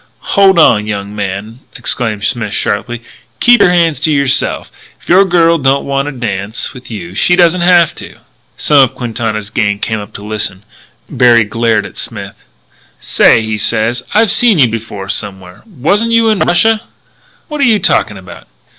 "Hold on, young man!" exclaimed Smith sharply. "Keep your hands to yourself. If your girl don't want to dance with you she doesn't have to." Some of Quintana's gang came up to listen. Berry glared at Smith. "Say," he said, "I seen you before somewhere. Wasn't you in Russia?" "What are you talking about?"